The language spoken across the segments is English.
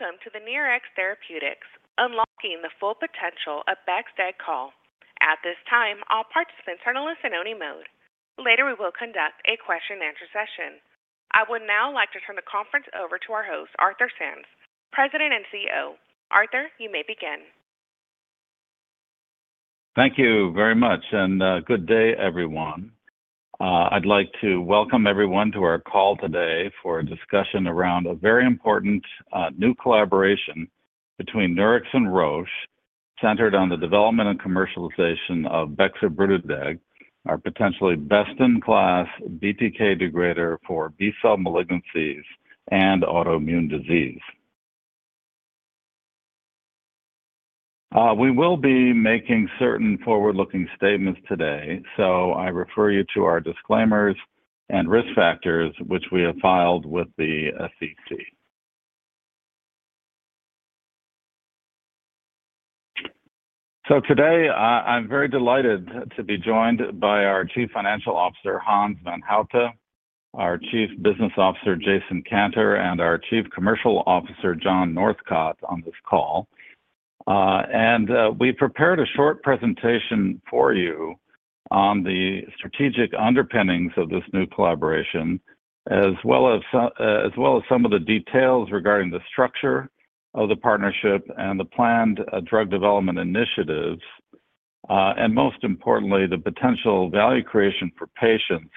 Welcome to the Nurix Therapeutics Unlocking the Full Potential of Bexdeg call. At this time, all participants are in listen-only mode. Later, we will conduct a question-and-answer session. I would now like to turn the conference over to our host, Arthur Sands, President and CEO. Arthur, you may begin. Thank you very much, good day, everyone. I'd like to welcome everyone to our call today for a discussion around a very important new collaboration between Nurix and Roche, centered on the development and commercialization of bexobrutideg, our potentially best-in-class BTK degrader for B-cell malignancies and autoimmune disease. We will be making certain forward-looking statements today, I refer you to our disclaimers and risk factors, which we have filed with the SEC. Today, I'm very delighted to be joined by our Chief Financial Officer, Hans van Houte, our Chief Business Officer, Jason Kantor, and our Chief Commercial Officer, John Northcott, on this call. We prepared a short presentation for you on the strategic underpinnings of this new collaboration, as well as some of the details regarding the structure of the partnership and the planned drug development initiatives, and most importantly, the potential value creation for patients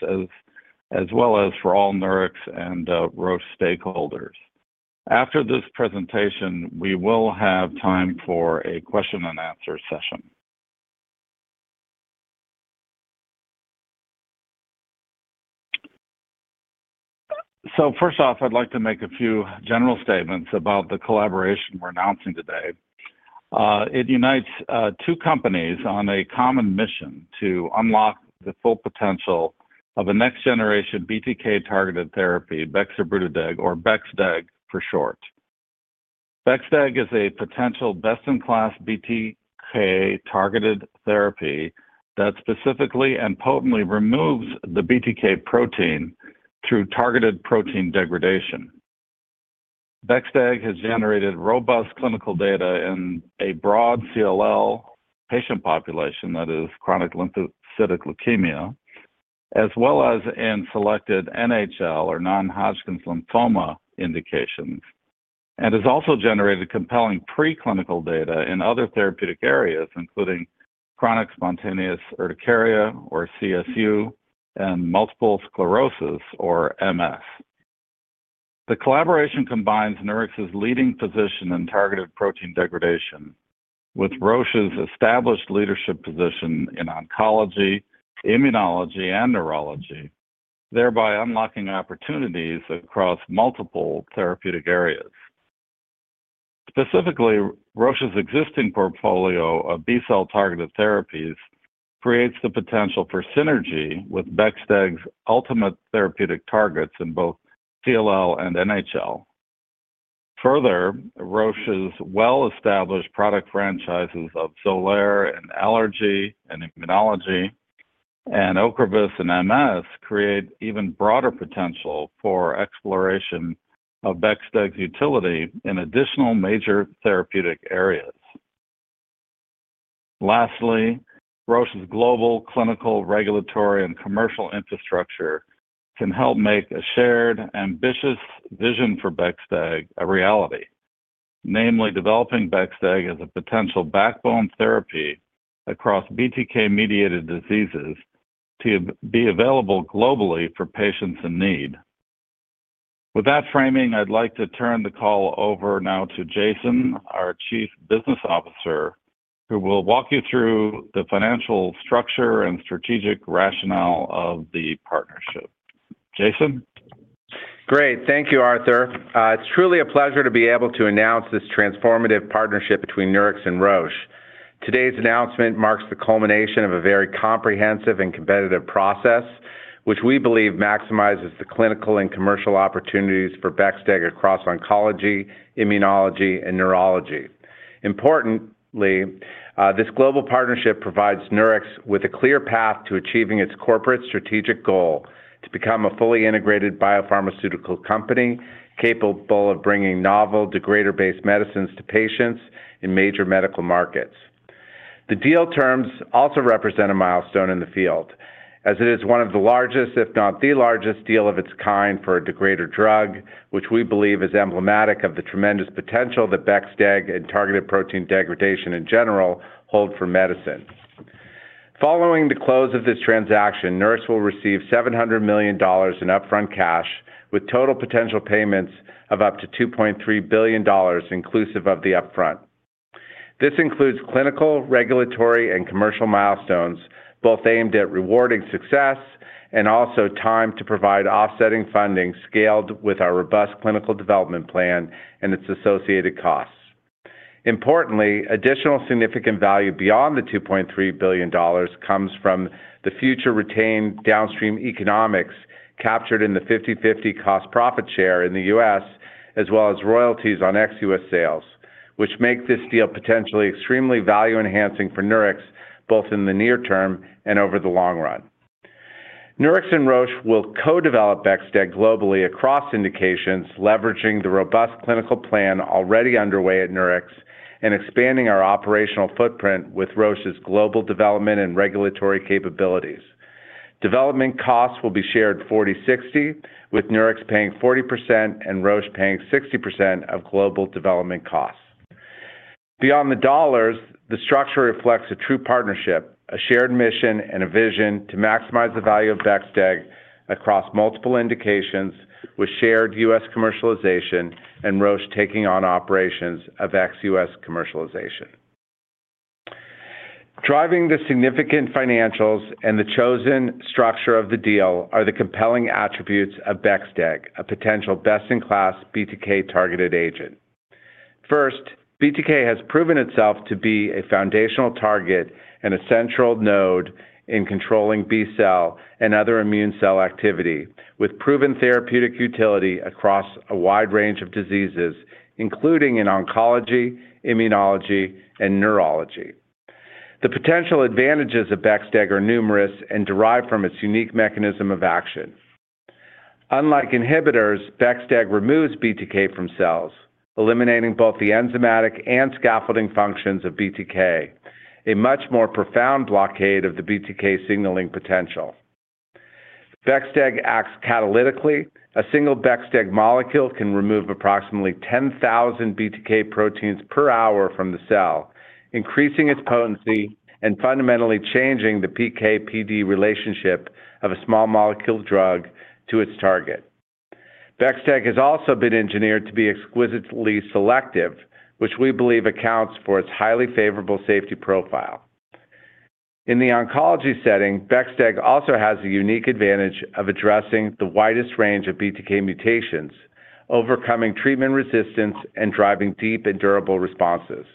as well as for all Nurix and Roche stakeholders. After this presentation, we will have time for a question-and-answer session. First off, I'd like to make a few general statements about the collaboration we're announcing today. It unites two companies on a common mission to unlock the full potential of a next-generation BTK-targeted therapy, bexobrutideg, or Bexdeg for short. Bexdeg is a potential best-in-class BTK-targeted therapy that specifically and potently removes the BTK protein through targeted protein degradation. Bexdeg has generated robust clinical data in a broad CLL patient population, that is chronic lymphocytic leukemia, as well as in selected NHL or non-Hodgkin's lymphoma indications, and has also generated compelling preclinical data in other therapeutic areas, including chronic spontaneous urticaria or CSU, and multiple sclerosis or MS. The collaboration combines Nurix's leading position in targeted protein degradation with Roche's established leadership position in oncology, immunology, and neurology, thereby unlocking opportunities across multiple therapeutic areas. Specifically, Roche's existing portfolio of B-cell targeted therapies creates the potential for synergy with Bexdeg's ultimate therapeutic targets in both CLL and NHL. Further, Roche's well-established product franchises of Xolair in allergy and immunology and Ocrevus in MS create even broader potential for exploration of Bexdeg's utility in additional major therapeutic areas. Lastly, Roche's global clinical, regulatory, and commercial infrastructure can help make a shared, ambitious vision for Bexdeg a reality, namely developing Bexdeg as a potential backbone therapy across BTK-mediated diseases to be available globally for patients in need. With that framing, I'd like to turn the call over now to Jason, our Chief Business Officer, who will walk you through the financial structure and strategic rationale of the partnership. Jason? Great. Thank you, Arthur. It's truly a pleasure to be able to announce this transformative partnership between Nurix and Roche. Today's announcement marks the culmination of a very comprehensive and competitive process, which we believe maximizes the clinical and commercial opportunities for Bexdeg across oncology, immunology, and neurology. Importantly, this global partnership provides Nurix with a clear path to achieving its corporate strategic goal to become a fully integrated biopharmaceutical company capable of bringing novel degrader-based medicines to patients in major medical markets. The deal terms also represent a milestone in the field, as it is one of the largest, if not the largest deal of its kind for a degrader drug, which we believe is emblematic of the tremendous potential that Bexdeg and targeted protein degradation in general hold for medicine. Following the close of this transaction, Nurix will receive $700 million in upfront cash, with total potential payments of up to $2.3 billion inclusive of the upfront. This includes clinical, regulatory, and commercial milestones, both aimed at rewarding success and also time to provide offsetting funding scaled with our robust clinical development plan and its associated costs. Importantly, additional significant value beyond the $2.3 billion comes from the future retained downstream economics captured in the 50/50 cost profit share in the U.S., as well as royalties on ex-U.S. sales, which make this deal potentially extremely value-enhancing for Nurix, both in the near term and over the long run. Nurix and Roche will co-develop Bexdeg globally across indications, leveraging the robust clinical plan already underway at Nurix and expanding our operational footprint with Roche's global development and regulatory capabilities. Development costs will be shared 40/60, with Nurix paying 40% and Roche paying 60% of global development costs. Beyond the dollars, the structure reflects a true partnership, a shared mission, and a vision to maximize the value of Bexdeg across multiple indications with shared U.S. commercialization and Roche taking on operations of ex-U.S. commercialization. Driving the significant financials and the chosen structure of the deal are the compelling attributes of Bexdeg, a potential best-in-class BTK-targeted agent. First, BTK has proven itself to be a foundational target and a central node in controlling B-cell and other immune cell activity, with proven therapeutic utility across a wide range of diseases, including in oncology, immunology, and neurology. The potential advantages of Bexdeg are numerous and derive from its unique mechanism of action. Unlike inhibitors, Bexdeg removes BTK from cells, eliminating both the enzymatic and scaffolding functions of BTK, a much more profound blockade of the BTK signaling potential. Bexdeg acts catalytically. A single Bexdeg molecule can remove approximately 10,000 BTK proteins per hour from the cell, increasing its potency and fundamentally changing the PK/PD relationship of a small molecule drug to its target. Bexdeg has also been engineered to be exquisitely selective, which we believe accounts for its highly favorable safety profile. In the oncology setting, Bexdeg also has the unique advantage of addressing the widest range of BTK mutations, overcoming treatment resistance, and driving deep and durable responses.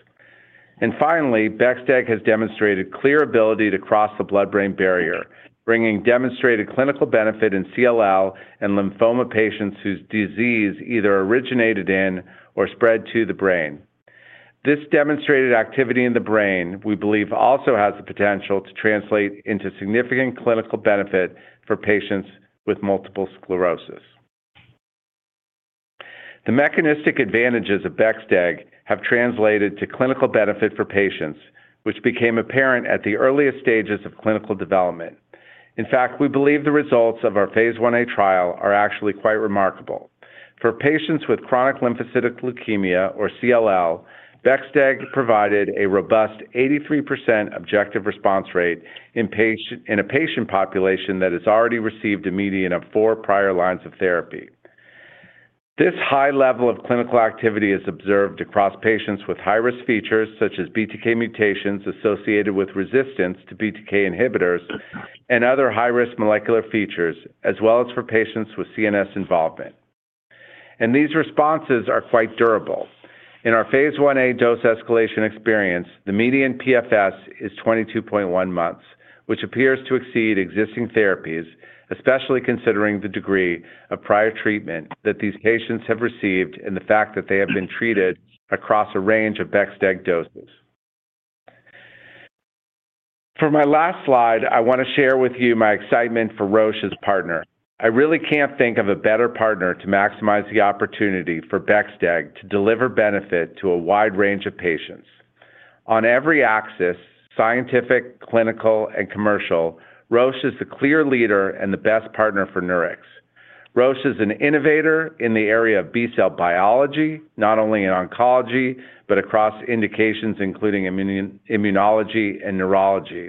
Finally, Bexdeg has demonstrated clear ability to cross the blood-brain barrier, bringing demonstrated clinical benefit in CLL and lymphoma patients whose disease either originated in or spread to the brain. This demonstrated activity in the brain, we believe, also has the potential to translate into significant clinical benefit for patients with multiple sclerosis. The mechanistic advantages of Bexdeg have translated to clinical benefit for patients, which became apparent at the earliest stages of clinical development. In fact, we believe the results of our phase I-A trial are actually quite remarkable. For patients with chronic lymphocytic leukemia, or CLL, Bexdeg provided a robust 83% objective response rate in a patient population that has already received a median of four prior lines of therapy. This high level of clinical activity is observed across patients with high-risk features, such as BTK mutations associated with resistance to BTK inhibitors and other high-risk molecular features, as well as for patients with CNS involvement. These responses are quite durable. In our phase I-A dose escalation experience, the median PFS is 22.1 months, which appears to exceed existing therapies, especially considering the degree of prior treatment that these patients have received and the fact that they have been treated across a range of Bexdeg doses. For my last slide, I want to share with you my excitement for Roche as partner. I really can't think of a better partner to maximize the opportunity for Bexdeg to deliver benefit to a wide range of patients. On every axis, scientific, clinical, and commercial, Roche is the clear leader and the best partner for Nurix. Roche is an innovator in the area of B-cell biology, not only in oncology, but across indications including immunology and neurology.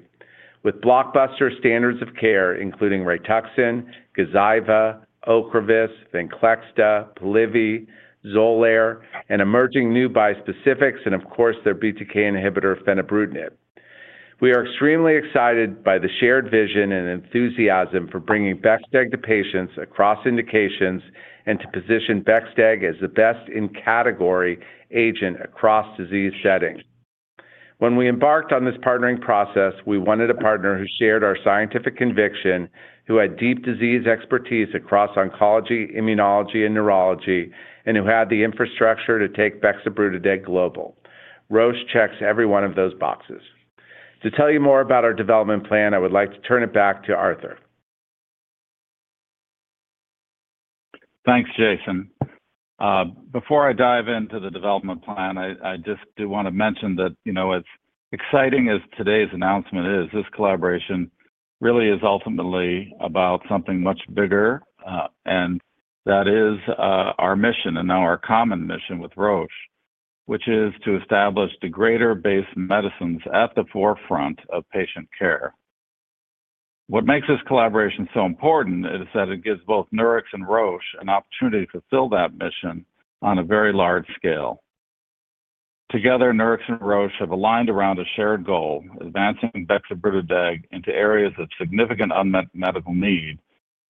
With blockbuster standards of care including Rituxan, Gazyva, Ocrevus, VENCLEXTA, Polivy, Xolair, and emerging new bispecifics, and of course, their BTK inhibitor, fenebrutinib. We are extremely excited by the shared vision and enthusiasm for bringing Bexdeg to patients across indications and to position Bexdeg as the best-in-category agent across disease settings. When we embarked on this partnering process, we wanted a partner who shared our scientific conviction, who had deep disease expertise across oncology, immunology, and neurology, and who had the infrastructure to take bexobrutideg global. Roche checks every one of those boxes. To tell you more about our development plan, I would like to turn it back to Arthur. Thanks, Jason. Before I dive into the development plan, I just do want to mention that as exciting as today's announcement is, this collaboration really is ultimately about something much bigger. That is our mission, and now our common mission with Roche, which is to establish degrader-based medicines at the forefront of patient care. What makes this collaboration so important is that it gives both Nurix and Roche an opportunity to fulfill that mission on a very large scale. Together, Nurix and Roche have aligned around a shared goal, advancing bexobrutideg into areas of significant unmet medical need,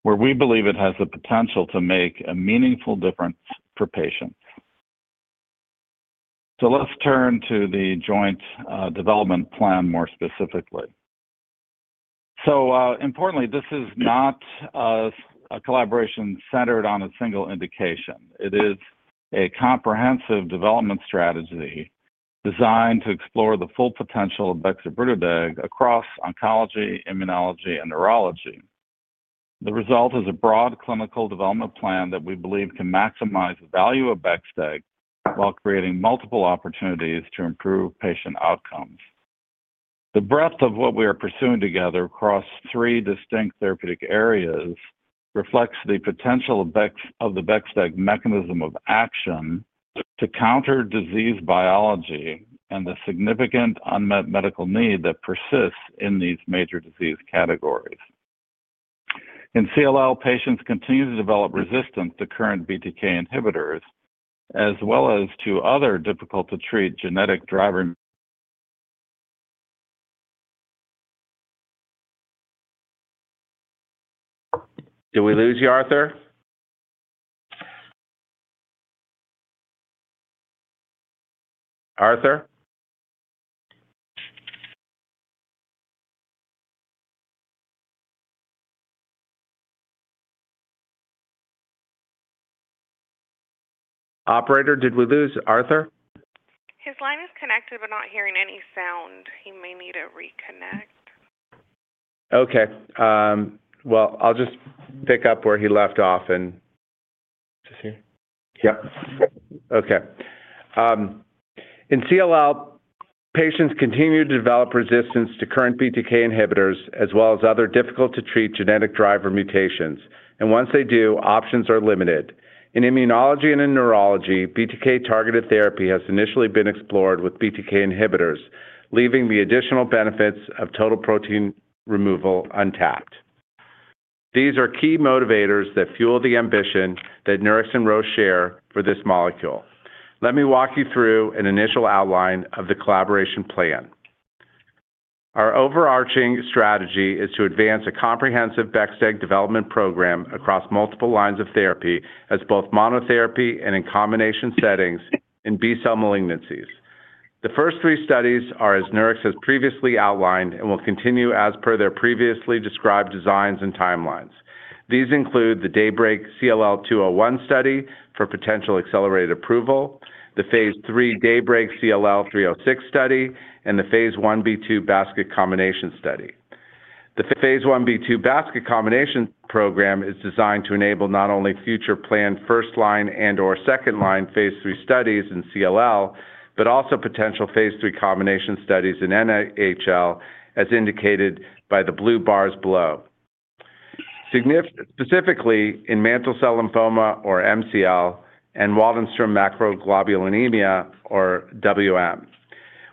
where we believe it has the potential to make a meaningful difference for patients. Let's turn to the joint development plan more specifically. Importantly, this is not a collaboration centered on a single indication. It is a comprehensive development strategy designed to explore the full potential of bexobrutideg across oncology, immunology, and neurology. The result is a broad clinical development plan that we believe can maximize the value of Bexdeg while creating multiple opportunities to improve patient outcomes. The breadth of what we are pursuing together across three distinct therapeutic areas reflects the potential of the Bexdeg mechanism of action to counter disease biology and the significant unmet medical need that persists in these major disease categories. In CLL, patients continue to develop resistance to current BTK inhibitors, as well as to other difficult-to-treat genetic driver. Did we lose you, Arthur? Arthur? Operator, did we lose Arthur? His line is connected. We're not hearing any sound. He may need to reconnect. Okay. Well, I'll just pick up where he left off and Is this here? Yep. Okay. In CLL, patients continue to develop resistance to current BTK inhibitors, as well as other difficult-to-treat genetic driver mutations, and once they do, options are limited. In immunology and in neurology, BTK-targeted therapy has initially been explored with BTK inhibitors, leaving the additional benefits of total protein removal untapped. These are key motivators that fuel the ambition that Nurix and Roche share for this molecule. Let me walk you through an initial outline of the collaboration plan. Our overarching strategy is to advance a comprehensive Bexdeg development program across multiple lines of therapy as both monotherapy and in combination settings in B-cell malignancies. The first three studies are as Nurix has previously outlined, and will continue as per their previously described designs and timelines. These include the DAYBreak CLL-201 study for potential accelerated approval, the phase III DAYBreak CLL-306 study, and the phase I-B/II basket combination study. The phase I-B/II basket combination program is designed to enable not only future planned first-line and/or second-line phase III studies in CLL, but also potential phase III combination studies in NHL, as indicated by the blue bars below. Specifically, in MCL, and WM.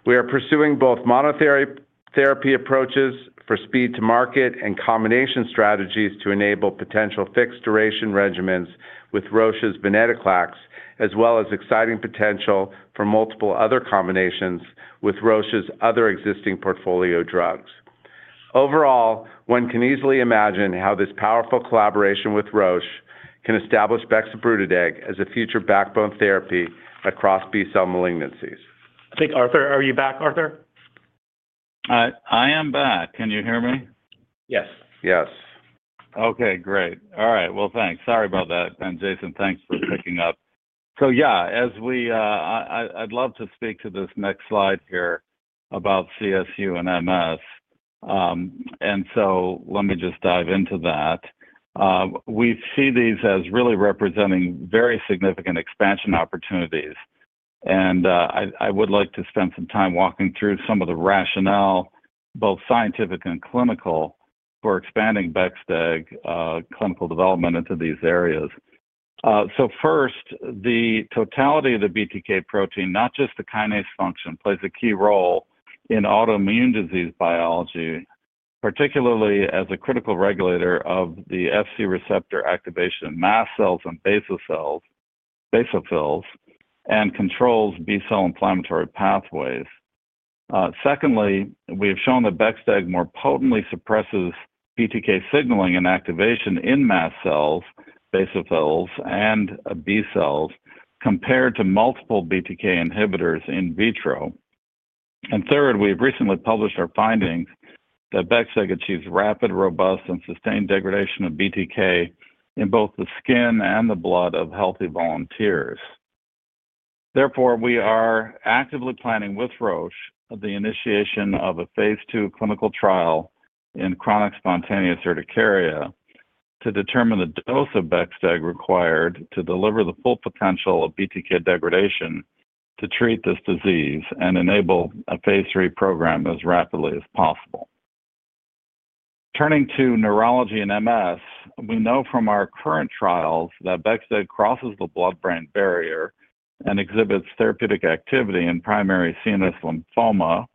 We are pursuing both monotherapy approaches for speed to market and combination strategies to enable potential fixed duration regimens with Roche's venetoclax, as well as exciting potential for multiple other combinations with Roche's other existing portfolio drugs. Overall, one can easily imagine how this powerful collaboration with Roche can establish bexobrutideg as a future backbone therapy across B-cell malignancies. I think, Arthur, are you back, Arthur? I am back. Can you hear me? Yes. Yes. Okay, great. All right, well, thanks. Sorry about that. Jason, thanks for picking up. Yeah, I'd love to speak to this next slide here about CSU and MS. Let me just dive into that. We see these as really representing very significant expansion opportunities. I would like to spend some time walking through some of the rationale, both scientific and clinical, for expanding Bexdeg clinical development into these areas. First, the totality of the BTK protein, not just the kinase function, plays a key role in autoimmune disease biology, particularly as a critical regulator of the Fc receptor activation in mast cells and basophils, and controls B-cell inflammatory pathways. Secondly, we have shown that Bexdeg more potently suppresses BTK signaling and activation in mast cells, basophils, and B-cells compared to multiple BTK inhibitors in vitro. Third, we've recently published our findings that Bexdeg achieves rapid, robust, and sustained degradation of BTK in both the skin and the blood of healthy volunteers. Therefore, we are actively planning with Roche the initiation of a phase II clinical trial in chronic spontaneous urticaria to determine the dose of Bexdeg required to deliver the full potential of BTK degradation to treat this disease and enable a phase III program as rapidly as possible. Turning to neurology and MS, we know from our current trials that Bexdeg crosses the blood-brain barrier and exhibits therapeutic activity in primary CNS lymphoma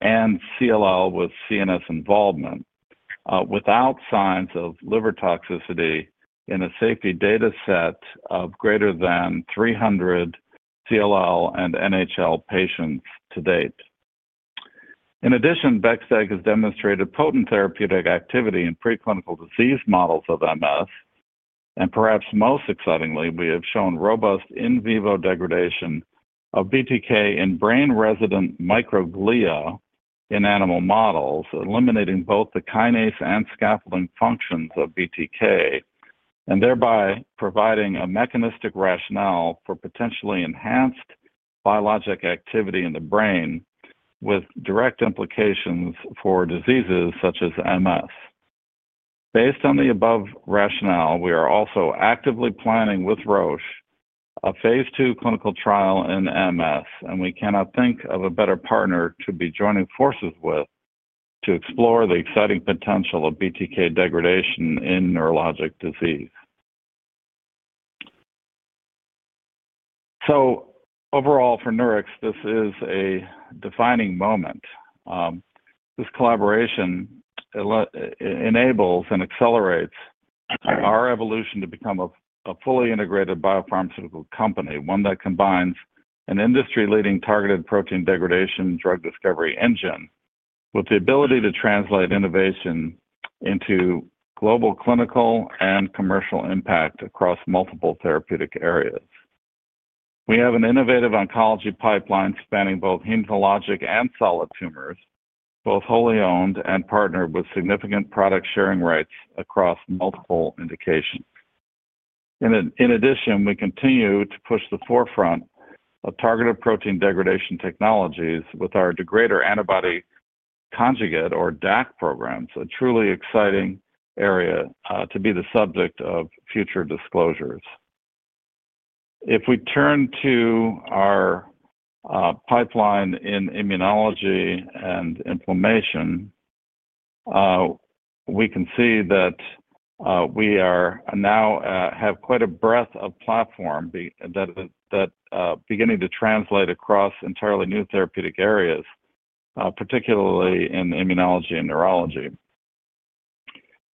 and CLL with CNS involvement without signs of liver toxicity in a safety data set of greater than 300 CLL and NHL patients to date. In addition, Bexdeg has demonstrated potent therapeutic activity in preclinical disease models of MS, and perhaps most excitingly, we have shown robust in vivo degradation of BTK in brain-resident microglia in animal models, eliminating both the kinase and scaffolding functions of BTK and thereby providing a mechanistic rationale for potentially enhanced biologic activity in the brain with direct implications for diseases such as MS. Based on the above rationale, we are also actively planning with Roche a phase II clinical trial in MS. We cannot think of a better partner to be joining forces with to explore the exciting potential of BTK degradation in neurologic disease. Overall, for Nurix, this is a defining moment. This collaboration enables and accelerates our evolution to become a fully integrated biopharmaceutical company, one that combines an industry-leading targeted protein degradation drug discovery engine with the ability to translate innovation into global clinical and commercial impact across multiple therapeutic areas. We have an innovative oncology pipeline spanning both hematologic and solid tumors, both wholly owned and partnered, with significant product sharing rights across multiple indications. In addition, we continue to push the forefront of targeted protein degradation technologies with our degrader antibody conjugate, or DAC program. It's a truly exciting area to be the subject of future disclosures. If we turn to our pipeline in immunology and inflammation, we can see that we now have quite a breadth of platform that beginning to translate across entirely new therapeutic areas, particularly in immunology and neurology.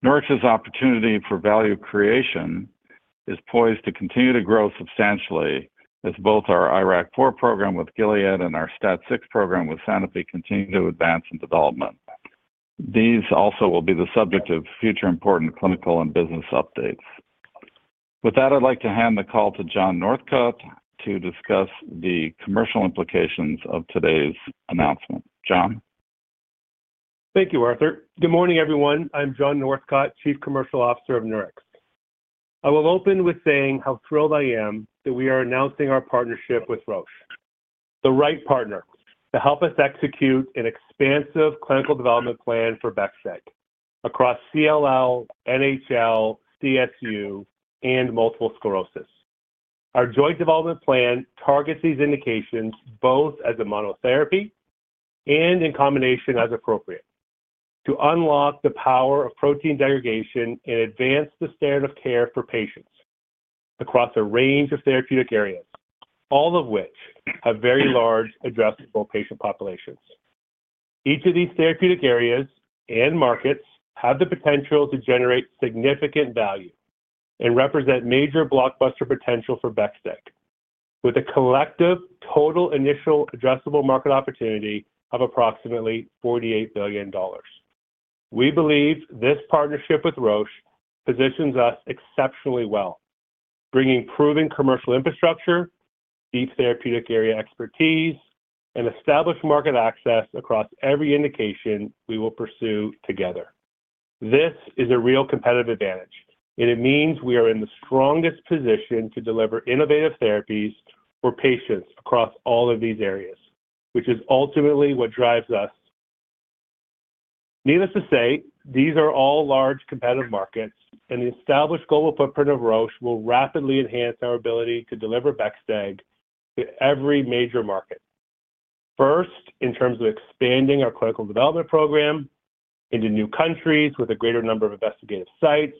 Nurix's opportunity for value creation is poised to continue to grow substantially as both our IRAK4 program with Gilead and our STAT6 program with Sanofi continue to advance in development. These also will be the subject of future important clinical and business updates. With that, I'd like to hand the call to John Northcott to discuss the commercial implications of today's announcement. John? Thank you, Arthur. Good morning, everyone. I'm John Northcott, Chief Commercial Officer of Nurix. I will open with saying how thrilled I am that we are announcing our partnership with Roche, the right partner to help us execute an expansive clinical development plan for Bexdeg across CLL, NHL, CSU, and multiple sclerosis. Our joint development plan targets these indications both as a monotherapy and in combination as appropriate, to unlock the power of protein degradation and advance the standard of care for patients across a range of therapeutic areas, all of which have very large addressable patient populations. Each of these therapeutic areas and markets have the potential to generate significant value and represent major blockbuster potential for Bexdeg, with a collective total initial addressable market opportunity of approximately $48 billion. We believe this partnership with Roche positions us exceptionally well, bringing proven commercial infrastructure, deep therapeutic area expertise, and established market access across every indication we will pursue together. This is a real competitive advantage, It means we are in the strongest position to deliver innovative therapies for patients across all of these areas, which is ultimately what drives us. Needless to say, these are all large competitive markets, The established global footprint of Roche will rapidly enhance our ability to deliver Bexdeg to every major market, first in terms of expanding our clinical development program into new countries with a greater number of investigative sites,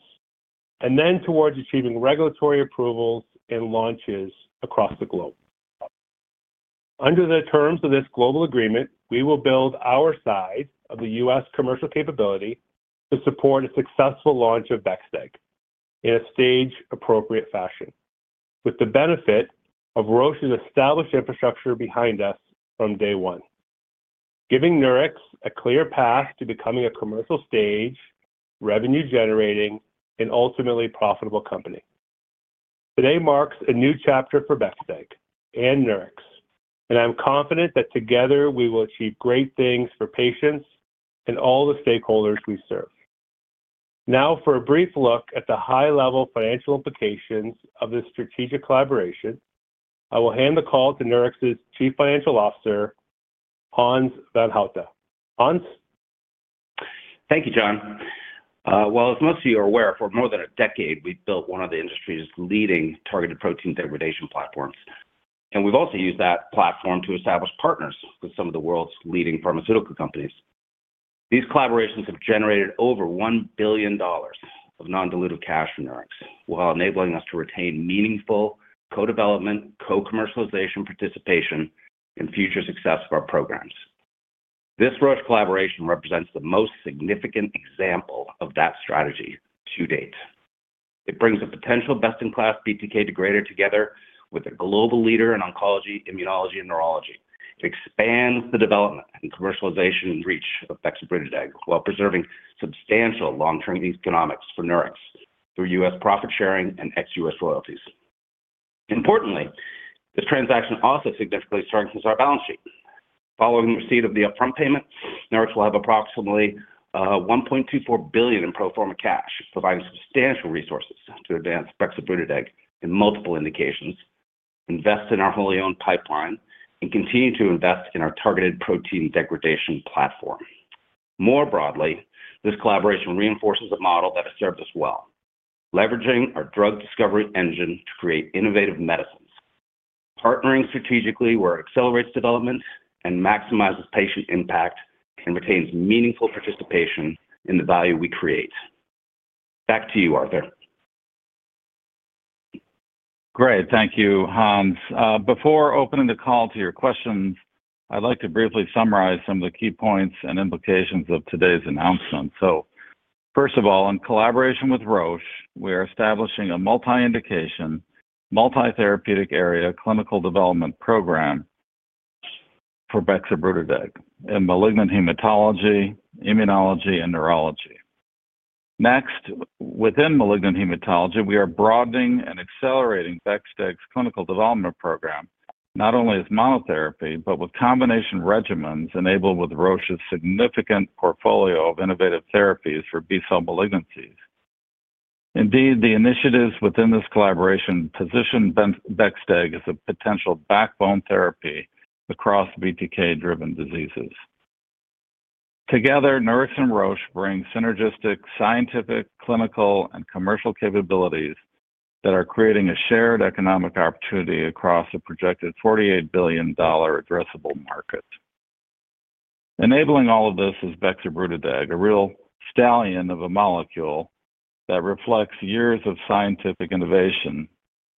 Then towards achieving regulatory approvals and launches across the globe. Under the terms of this global agreement, we will build our side of the U.S. commercial capability to support a successful launch of Bexdeg in a stage-appropriate fashion, with the benefit of Roche's established infrastructure behind us from day one, giving Nurix a clear path to becoming a commercial stage, revenue-generating, and ultimately profitable company. Today marks a new chapter for Bexdeg and Nurix, and I'm confident that together we will achieve great things for patients and all the stakeholders we serve. For a brief look at the high-level financial implications of this strategic collaboration, I will hand the call to Nurix's Chief Financial Officer, Hans van Houte. Hans? Thank you, John. As most of you are aware, for more than a decade, we've built one of the industry's leading targeted protein degradation platforms, and we've also used that platform to establish partners with some of the world's leading pharmaceutical companies. These collaborations have generated over $1 billion of non-dilutive cash from Nurix while enabling us to retain meaningful co-development, co-commercialization participation in future success of our programs. This Roche collaboration represents the most significant example of that strategy to date. It brings a potential best-in-class BTK degrader together with a global leader in oncology, immunology, and neurology to expand the development and commercialization reach of bexobrutideg while preserving substantial long-term economics for Nurix through U.S. profit-sharing and ex-U.S. royalties. This transaction also significantly strengthens our balance sheet. Following receipt of the upfront payment, Nurix will have approximately $1.24 billion in pro forma cash, providing substantial resources to advance bexobrutideg in multiple indications, invest in our wholly owned pipeline, and continue to invest in our targeted protein degradation platform. This collaboration reinforces a model that has served us well, leveraging our drug discovery engine to create innovative medicines, partnering strategically where it accelerates development and maximizes patient impact, and retains meaningful participation in the value we create. Back to you, Arthur. Great. Thank you, Hans. Before opening the call to your questions, I'd like to briefly summarize some of the key points and implications of today's announcement. First of all, in collaboration with Roche, we are establishing a multi-indication, multi-therapeutic area clinical development program for bexobrutideg in malignant hematology, immunology, and neurology. Within malignant hematology, we are broadening and accelerating Bexdeg's clinical development program, not only as monotherapy, but with combination regimens enabled with Roche's significant portfolio of innovative therapies for B-cell malignancies. The initiatives within this collaboration position Bexdeg as a potential backbone therapy across BTK-driven diseases. Together, Nurix and Roche bring synergistic scientific, clinical, and commercial capabilities that are creating a shared economic opportunity across a projected $48 billion addressable market. Enabling all of this is bexobrutideg, a real stallion of a molecule that reflects years of scientific innovation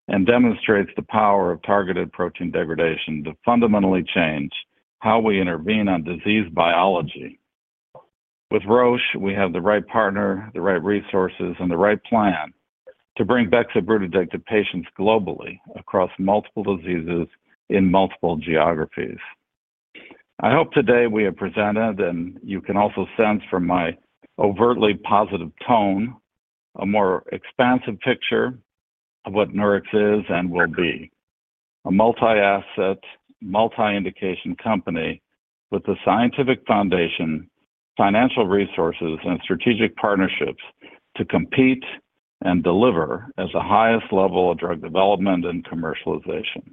and demonstrates the power of targeted protein degradation to fundamentally change how we intervene on disease biology. With Roche, we have the right partner, the right resources, and the right plan to bring bexobrutideg to patients globally across multiple diseases in multiple geographies. I hope today we have presented, and you can also sense from my overtly positive tone, a more expansive picture of what Nurix is and will be. A multi-asset, multi-indication company with the scientific foundation, financial resources, and strategic partnerships to compete and deliver at the highest level of drug development and commercialization.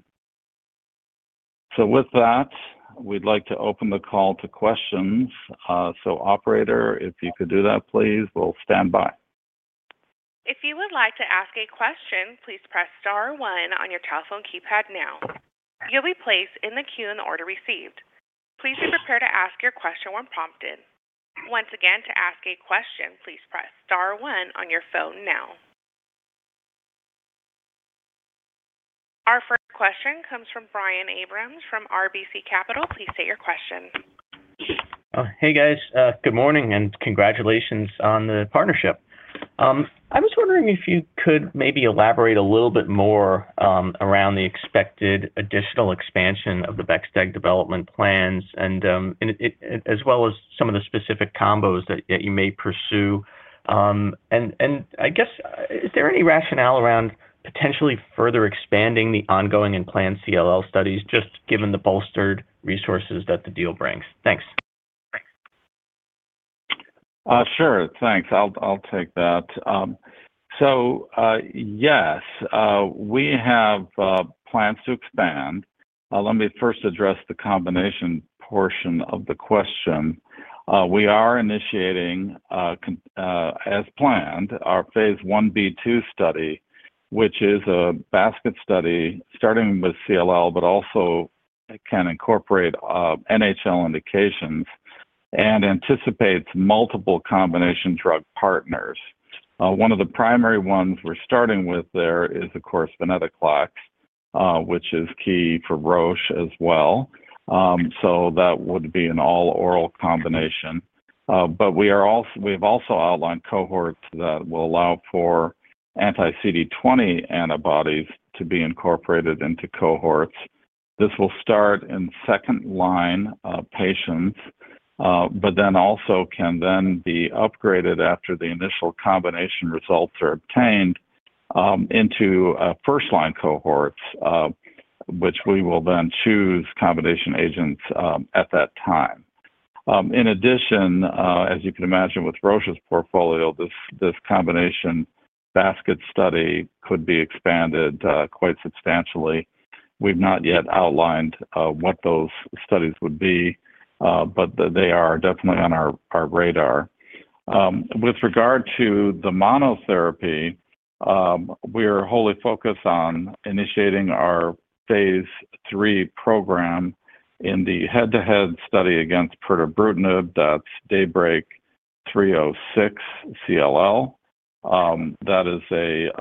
With that, we would like to open the call to questions. Operator, if you could do that, please. We will stand by. If you would like to ask a question, please press star one on your telephone keypad now. You will be placed in the queue in the order received. Please be prepared to ask your question when prompted. Once again, to ask a question, please press star one on your phone now. Our first question comes from Brian Abrahams from RBC Capital. Please state your question. Hey, guys. Good morning, and congratulations on the partnership. I was wondering if you could maybe elaborate a little bit more around the expected additional expansion of the Bexdeg development plans and as well as some of the specific combos that you may pursue. I guess, is there any rationale around potentially further expanding the ongoing and planned CLL studies, just given the bolstered resources that the deal brings? Thanks. Sure. Thanks. I will take that. Yes. We have plans to expand. Let me first address the combination portion of the question. We are initiating, as planned, our phase I-B/II study, which is a basket study starting with CLL, but also can incorporate NHL indications and anticipates multiple combination drug partners. One of the primary ones we are starting with there is, of course, venetoclax, which is key for Roche as well. That would be an all-oral combination. But we have also outlined cohorts that will allow for anti-CD20 antibodies to be incorporated into cohorts. This will start in second-line patients, but then also can then be upgraded after the initial combination results are obtained into first-line cohorts, which we will then choose combination agents at that time. In addition, as you can imagine with Roche's portfolio, this combination basket study could be expanded quite substantially. We've not yet outlined what those studies would be, but they are definitely on our radar. With regard to the monotherapy, we are wholly focused on initiating our phase III program in the head-to-head study against pirtobrutinib. That's DAYBreak CLL-306. That is a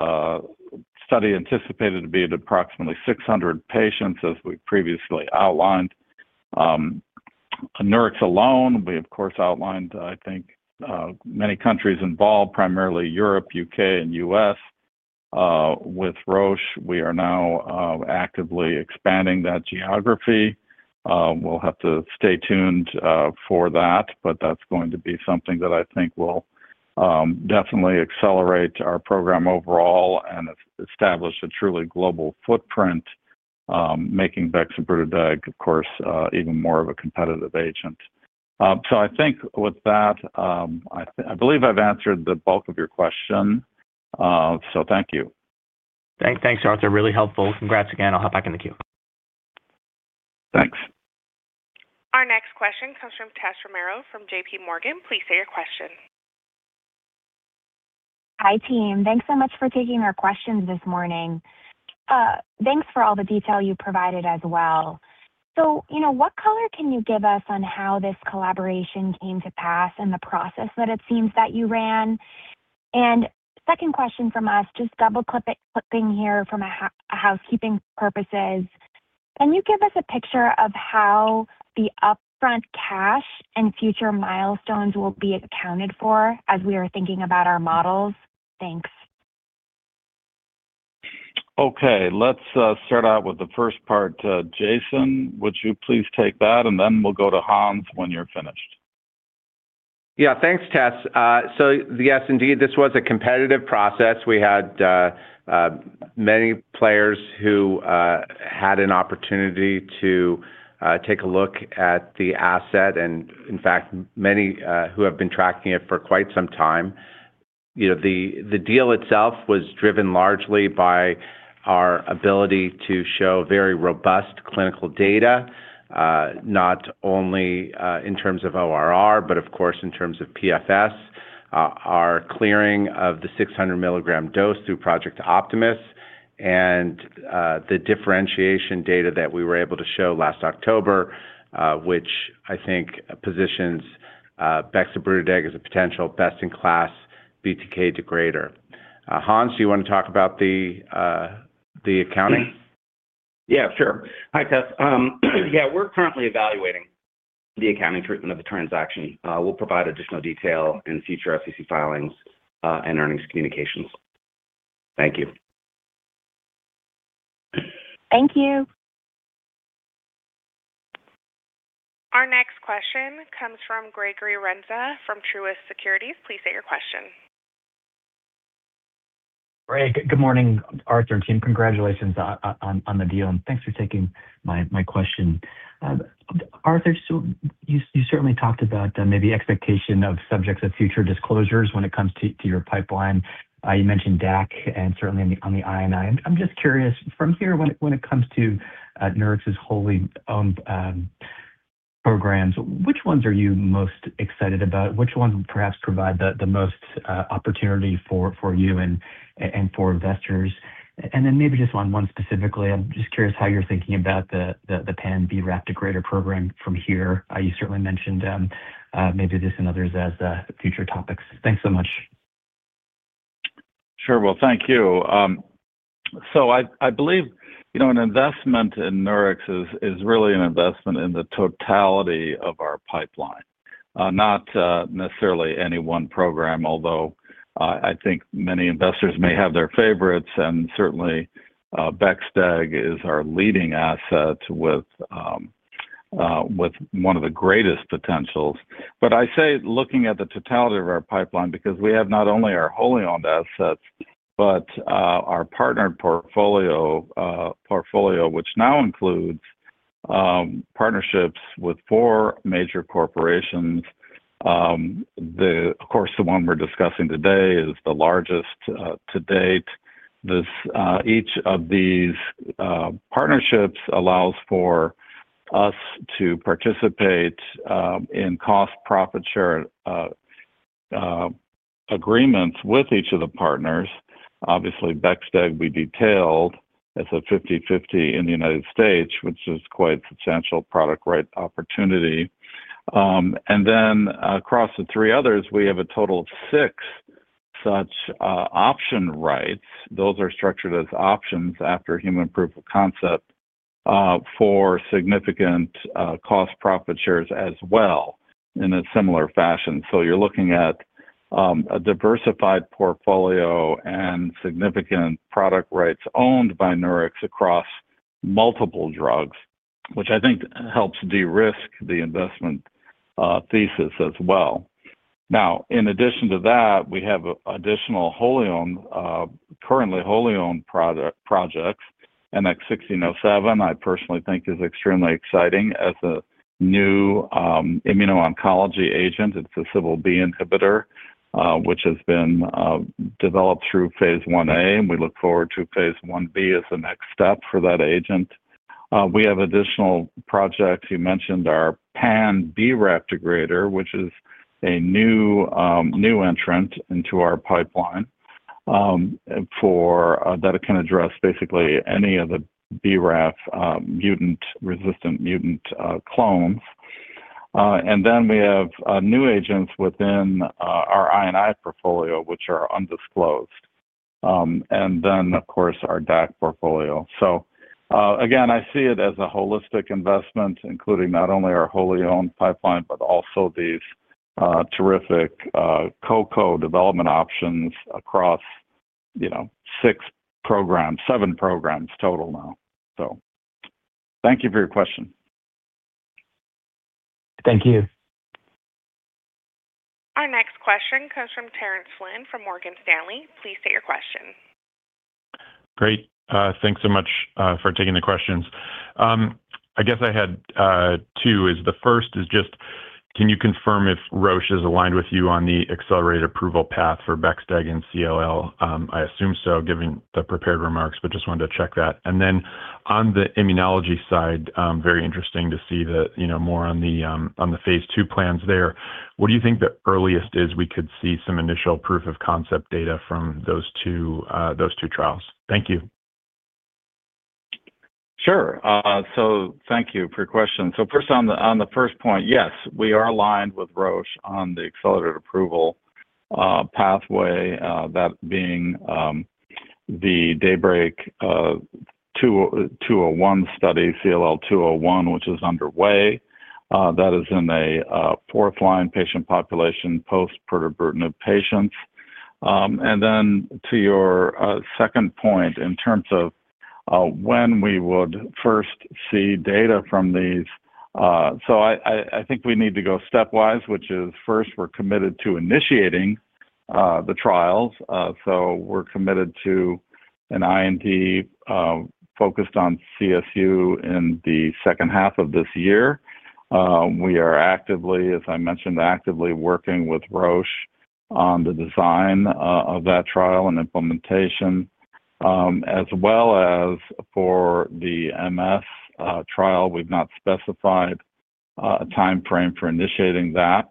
study anticipated to be at approximately 600 patients, as we previously outlined. Nurix alone, we of course outlined, I think, many countries involved, primarily Europe, U.K., and U.S. With Roche, we are now actively expanding that geography. We'll have to stay tuned for that, but that's going to be something that I think will definitely accelerate our program overall and establish a truly global footprint, making bexobrutideg, of course, even more of a competitive agent. I think with that, I believe I've answered the bulk of your question, so thank you. Thanks, Arthur. Really helpful. Congrats again. I'll hop back in the queue. Thanks. Our next question comes from Tessa Romero from J.P. Morgan. Please state your question. Hi, team. Thanks so much for taking our questions this morning. Thanks for all the detail you provided as well. What color can you give us on how this collaboration came to pass and the process that it seems that you ran? Second question from us, just double-clicking here from a housekeeping purposes, can you give us a picture of how the upfront cash and future milestones will be accounted for as we are thinking about our models? Thanks. Let's start out with the first part. Jason, would you please take that, and then we'll go to Hans when you're finished. Thanks, Tess. Yes, indeed, this was a competitive process. We had many players who had an opportunity to take a look at the asset, and in fact, many who have been tracking it for quite some time. The deal itself was driven largely by our ability to show very robust clinical data, not only in terms of ORR, but of course, in terms of PFS, our clearing of the 600 mg dose through Project Optimus, and the differentiation data that we were able to show last October, which I think positions bexobrutideg as a potential best-in-class BTK degrader. Hans, you want to talk about the accounting? Sure. Hi, Tess. We're currently evaluating the accounting treatment of the transaction. We'll provide additional detail in future SEC filings and earnings communications. Thank you. Thank you. Our next question comes from Greg Renza from Truist Securities. Please state your question. Greg, good morning, Arthur and team. Congratulations on the deal, thanks for taking my question. Arthur, you certainly talked about the maybe expectation of subjects of future disclosures when it comes to your pipeline. You mentioned DAC and certainly on the I&I. I'm just curious, from here, when it comes to Nurix's wholly-owned programs, which ones are you most excited about? Which ones perhaps provide the most opportunity for you and for investors? Then maybe just on one specifically, I'm just curious how you're thinking about the pan-BRAF degrader program from here. You certainly mentioned maybe this and others as future topics. Thanks so much. Sure. Well, thank you. I believe an investment in Nurix is really an investment in the totality of our pipeline. Not necessarily any one program, although I think many investors may have their favorites, and certainly, Bexdeg is our leading asset with one of the greatest potentials. I say looking at the totality of our pipeline, because we have not only our wholly-owned assets, but our partnered portfolio, which now includes partnerships with four major corporations. Of course, the one we're discussing today is the largest to date. Each of these partnerships allows for us to participate in cost profit share agreements with each of the partners. Obviously, Bexdeg we detailed. It's a 50/50 in the United States, which is quite a substantial product right opportunity. Across the three others, we have a total of six such option rights. Those are structured as options after human proof of concept for significant cost profit shares as well in a similar fashion. You're looking at a diversified portfolio and significant product rights owned by Nurix across multiple drugs, which I think helps de-risk the investment thesis as well. Now, in addition to that, we have additional currently wholly-owned projects. NX-1607, I personally think is extremely exciting as a new immuno-oncology agent. It's a CBL-B inhibitor, which has been developed through phase I-A, and we look forward to phase I-B as the next step for that agent. We have additional projects. You mentioned our pan-BRAF degrader, which is a new entrant into our pipeline. That it can address basically any of the BRAF resistant mutant clones. We have new agents within our I&I portfolio, which are undisclosed. Of course, our DAC portfolio. Again, I see it as a holistic investment, including not only our wholly-owned pipeline, but also these terrific co-development options across seven programs total now. Thank you for your question. Thank you. Our next question comes from Terence Flynn from Morgan Stanley. Please state your question. Great. Thanks so much for taking the questions. I guess I had two. The first is just, can you confirm if Roche is aligned with you on the accelerated approval path for Bexdeg and CLL? I assume so, given the prepared remarks, but just wanted to check that. On the immunology side, very interesting to see more on the phase II plans there. What do you think the earliest is we could see some initial proof of concept data from those two trials? Thank you. Sure. Thank you for your question. First, on the first point, yes, we are aligned with Roche on the accelerated approval pathway, that being the DAYBreak CLL-201 study, CLL 201, which is underway. That is in a fourth-line patient population post-pirtobrutinib patients. To your second point, in terms of when we would first see data from these. I think we need to go stepwise, which is first, we're committed to initiating the trials. We're committed to an IND focused on CSU in the second half of this year. We are actively, as I mentioned, actively working with Roche on the design of that trial and implementation, as well as for the MS trial. We've not specified a timeframe for initiating that.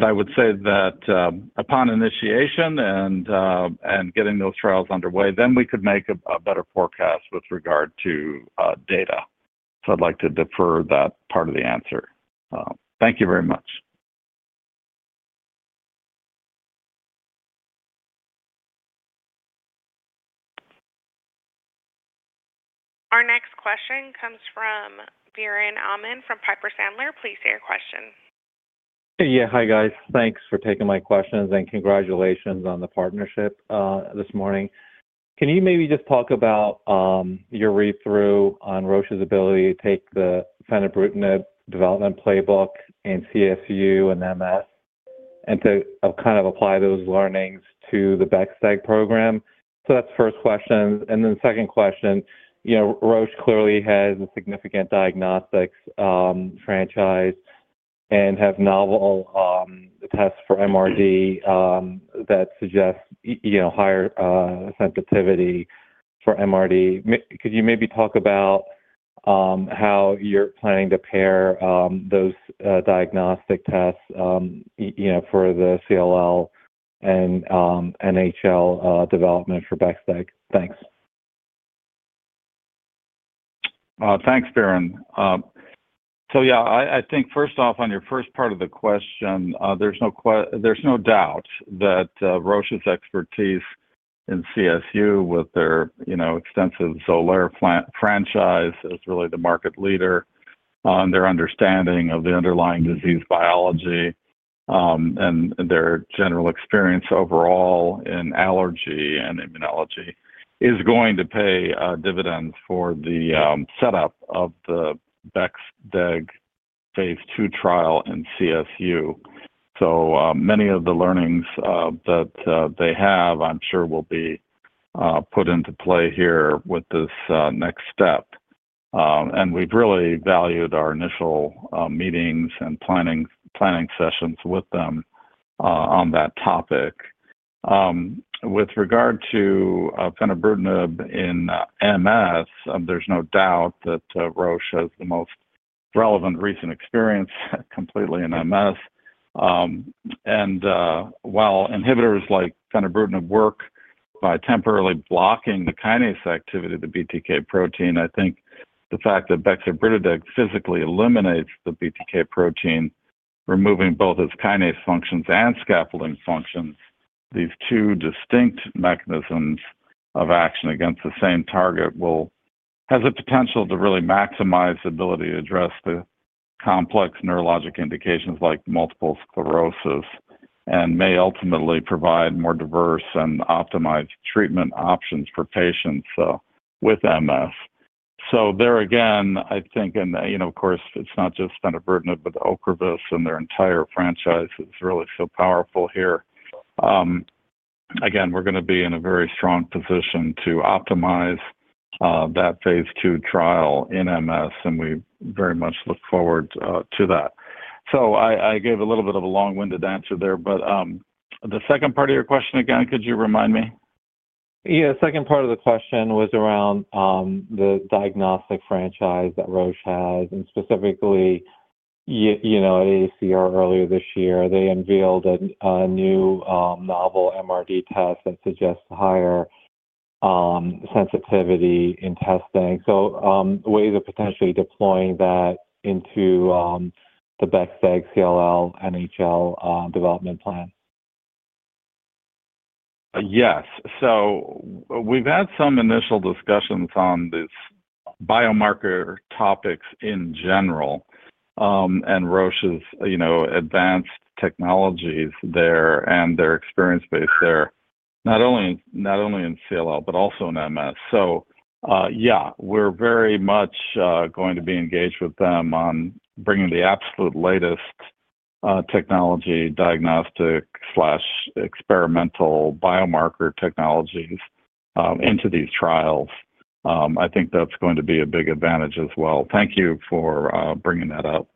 I would say that upon initiation and getting those trials underway, then we could make a better forecast with regard to data. I'd like to defer that part of the answer. Thank you very much. Our next question comes from Biren Amin from Piper Sandler. Please state your question. Hi, guys. Thanks for taking my questions, and congratulations on the partnership this morning. Can you maybe just talk about your read-through on Roche's ability to take the fenebrutinib development playbook in CSU and MS, and to kind of apply those learnings to the Bexdeg program? That's the first question. The second question, Roche clearly has a significant diagnostics franchise and has novel tests for MRD that suggest higher sensitivity for MRD. Could you maybe talk about how you're planning to pair those diagnostic tests for the CLL and NHL development for Bexdeg? Thanks. Thanks, Biren. Yeah, I think first off, on your first part of the question, there's no doubt that Roche's expertise in CSU with their extensive Xolair franchise as really the market leader, their understanding of the underlying disease biology, and their general experience overall in allergy and immunology is going to pay dividends for the setup of the Bexdeg phase II trial in CSU. Many of the learnings that they have, I'm sure, will be put into play here with this next step. We've really valued our initial meetings and planning sessions with them on that topic. With regard to fenebrutinib in MS, there's no doubt that Roche has the most relevant recent experience completely in MS. While inhibitors like fenebrutinib work by temporarily blocking the kinase activity of the BTK protein, I think the fact that bexobrutideg physically eliminates the BTK protein, removing both its kinase functions and scaffolding functions, these two distinct mechanisms of action against the same target has a potential to really maximize ability to address the complex neurologic indications like multiple sclerosis, and may ultimately provide more diverse and optimized treatment options for patients with MS. There again, I think, and of course, it's not just fenebrutinib, Ocrevus and their entire franchise is really so powerful here. We're going to be in a very strong position to optimize that phase II trial in MS, and we very much look forward to that. I gave a little bit of a long-winded answer there, the second part of your question again, could you remind me? Yeah. Second part of the question was around the diagnostic franchise that Roche has, and specifically, at ACR earlier this year, they unveiled a new novel MRD test that suggests higher sensitivity in testing. Ways of potentially deploying that into the Bexdeg CLL NHL development plan. Yes. We've had some initial discussions on these biomarker topics in general, and Roche's advanced technologies there and their experience base there. Not only in CLL, but also in MS. Yeah, we're very much going to be engaged with them on bringing the absolute latest technology diagnostic/experimental biomarker technologies into these trials. I think that's going to be a big advantage as well. Thank you for bringing that up,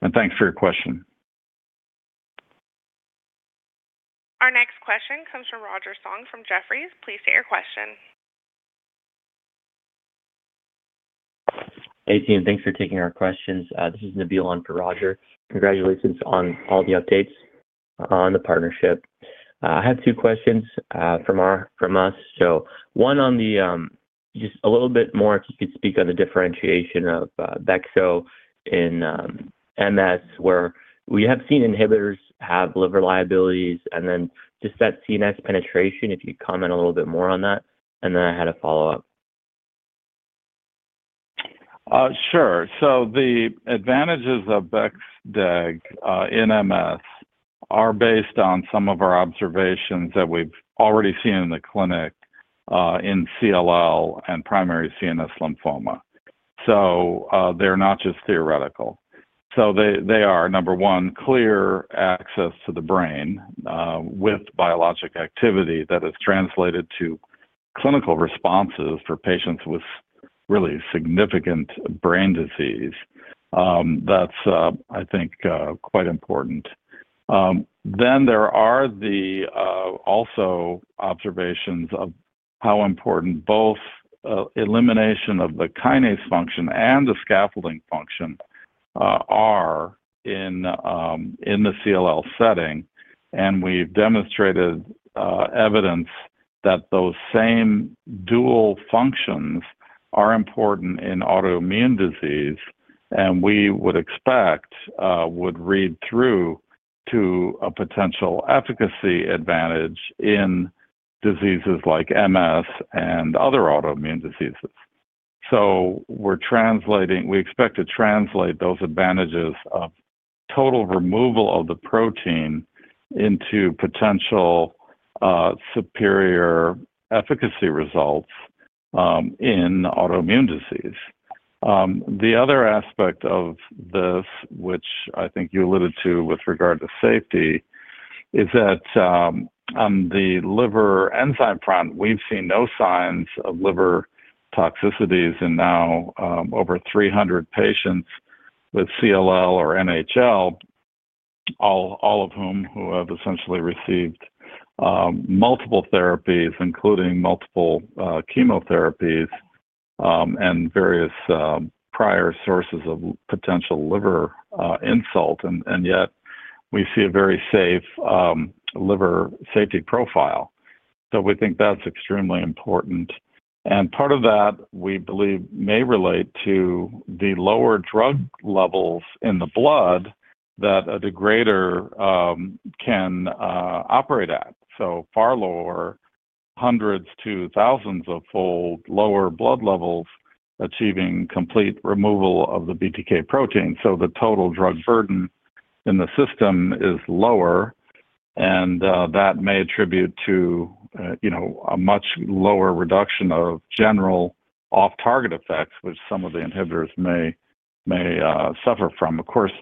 and thanks for your question. Our next question comes from Roger Song from Jefferies. Please state your question. Hey, team. Thanks for taking our questions. This is Nabeel on for Roger. Congratulations on all the updates on the partnership. I have two questions from us. One on the, just a little bit more, if you could speak on the differentiation of Bex in MS, where we have seen inhibitors have liver liabilities, and then just that CNS penetration, if you'd comment a little bit more on that. I had a follow-up. Sure. The advantages of Bexdeg in MS are based on some of our observations that we've already seen in the clinic, in CLL and primary CNS lymphoma. They're not just theoretical. They are, Number 1, clear access to the brain, with biologic activity that has translated to clinical responses for patients with really significant brain disease. That's, I think, quite important. There are the also observations of how important both elimination of the kinase function and the scaffolding function are in the CLL setting. We've demonstrated evidence that those same dual functions are important in autoimmune disease. We would expect would read through to a potential efficacy advantage in diseases like MS and other autoimmune diseases. We expect to translate those advantages of total removal of the protein into potential superior efficacy results in autoimmune disease. The other aspect of this, which I think you alluded to with regard to safety, is that on the liver enzyme front, we've seen no signs of liver toxicities in now over 300 patients with CLL or NHL, all of whom who have essentially received multiple therapies, including multiple chemotherapies, and various prior sources of potential liver insult. We see a very safe liver safety profile. We think that's extremely important, and part of that, we believe, may relate to the lower drug levels in the blood that a degrader can operate at. Far lower, hundreds to thousands of fold lower blood levels achieving complete removal of the BTK protein. The total drug burden in the system is lower, and that may attribute to a much lower reduction of general off-target effects, which some of the inhibitors may suffer from. Of course,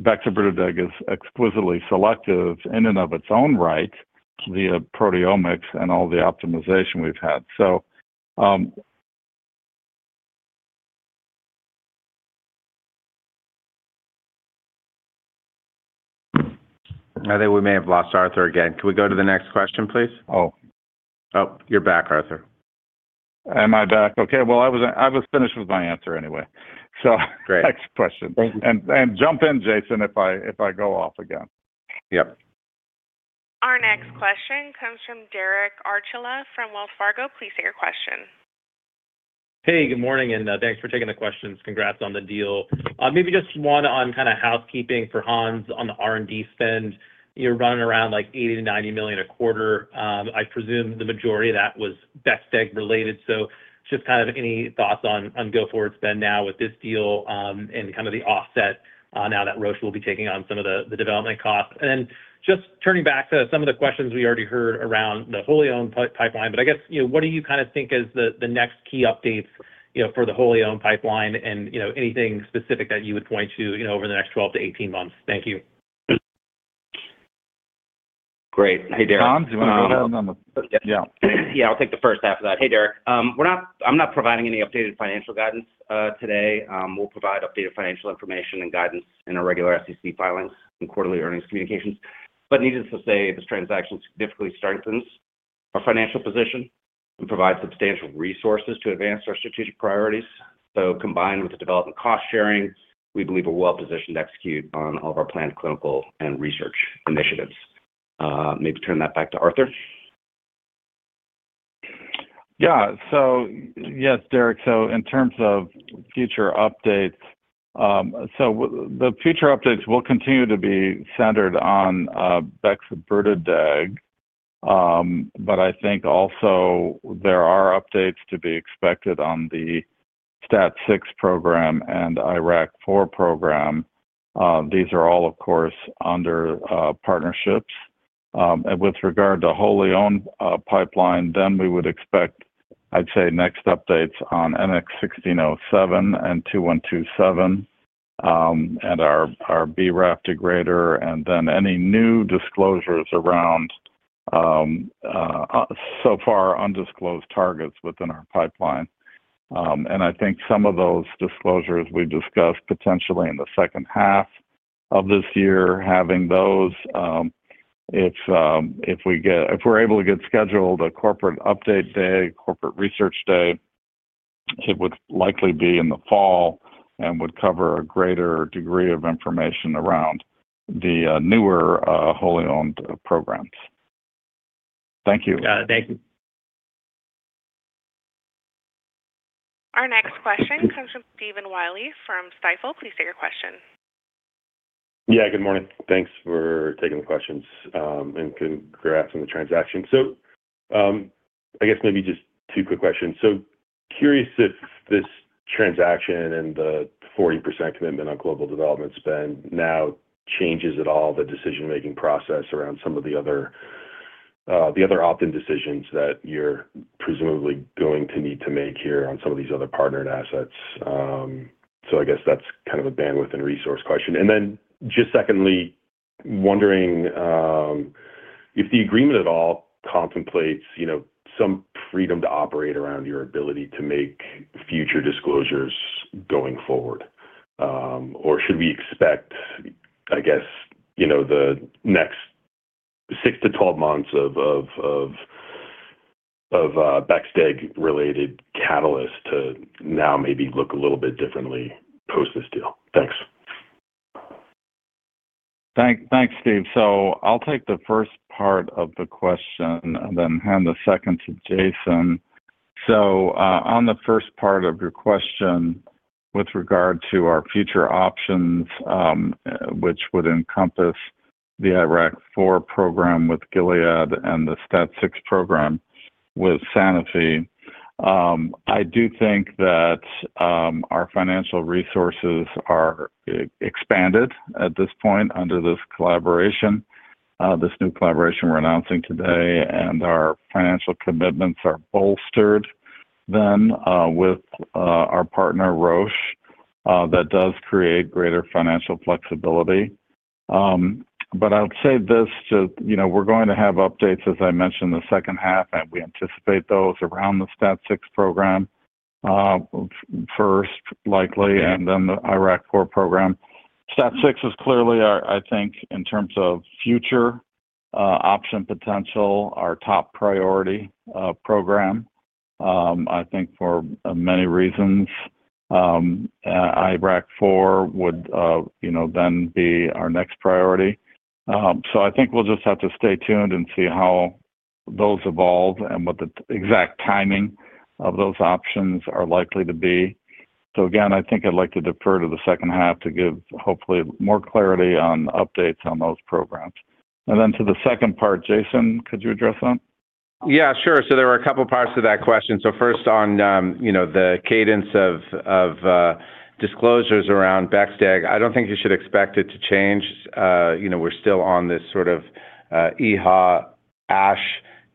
bexobrutideg is exquisitely selective in and of its own right via proteomics and all the optimization we've had. I think we may have lost Arthur again. Can we go to the next question, please? Oh. Oh, you're back, Arthur. Am I back? Okay. Well, I was finished with my answer anyway. Next question. Great. Thank you. Jump in, Jason, if I go off again. Yep. Our next question comes from Derek Archila from Wells Fargo. Please state your question. Good morning. Thanks for taking the questions. Congrats on the deal. Maybe just one on kind of housekeeping for Hans on the R&D spend. You're running around like $80 million-$90 million a quarter. I presume the majority of that was Bexdeg related. Just any thoughts on go-forward spend now with this deal, and the offset, now that Roche will be taking on some of the development costs? Just turning back to some of the questions we already heard around the wholly owned pipeline. I guess, what do you think is the next key updates for the wholly owned pipeline and anything specific that you would point to over the next 12 to 18 months? Thank you. Great. Hey, Derek. Hans, do you want to go ahead on the? Yeah. Yeah. Yeah, I'll take the first half of that. Hey, Derek. I'm not providing any updated financial guidance today. We'll provide updated financial information and guidance in our regular SEC filings and quarterly earnings communications. Needless to say, this transaction significantly strengthens our financial position and provides substantial resources to advance our strategic priorities. Combined with the development cost sharing, we believe we're well positioned to execute on all of our planned clinical and research initiatives. Maybe turn that back to Arthur. Yeah. Yes, Derek, in terms of future updates, the future updates will continue to be centered on bexobrutideg. I think also there are updates to be expected on the STAT-6 program and IRAK4 program. These are all, of course, under partnerships. With regard to wholly owned pipeline, then we would expect, I'd say, next updates on NX-1607 and NX-2127, and our BRAF degrader, and then any new disclosures around so far undisclosed targets within our pipeline. I think some of those disclosures we've discussed potentially in the second half of this year, having those. If we're able to get scheduled a corporate update day, corporate research day, it would likely be in the fall and would cover a greater degree of information around the newer wholly owned programs. Thank you. Thank you. Our next question comes from Stephen Willey from Stifel. Please state your question. Good morning. Thanks for taking the questions, and congrats on the transaction. I guess maybe just two quick questions. Curious if this transaction and the 40% commitment on global development spend now changes at all the decision-making process around some of the other opt-in decisions that you're presumably going to need to make here on some of these other partnered assets. I guess that's kind of a bandwidth and resource question. Then just secondly, wondering if the agreement at all contemplates some freedom to operate around your ability to make future disclosures going forward. Or should we expect, I guess, the next 6-12 months of Bexdeg-related catalyst to now maybe look a little bit differently post this deal? Thanks. Thanks, Steve. I'll take the first part of the question and then hand the second to Jason. On the first part of your question with regard to our future options, which would encompass the IRAK4 program with Gilead Sciences and the STAT6 program with Sanofi S.A., I do think that our financial resources are expanded at this point under this new collaboration we're announcing today, and our financial commitments are bolstered then with our partner, Roche. That does create greater financial flexibility. I'll say this, we're going to have updates, as I mentioned, the second half, and we anticipate those around the STAT6 program first likely, and then the IRAK4 program. STAT6 is clearly, I think, in terms of future option potential, our top priority program. I think for many reasons, IRAK4 would then be our next priority. I think we'll just have to stay tuned and see how those evolve and what the exact timing of those options are likely to be. Again, I think I'd like to defer to the second half to give hopefully more clarity on updates on those programs. Then to the second part, Jason, could you address that? Sure. There were a couple parts to that question. First on the cadence of disclosures around Bexdeg, I don't think you should expect it to change. We're still on this sort of EHA, ASH,